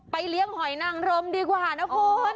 เลี้ยงหอยนังรมดีกว่านะคุณ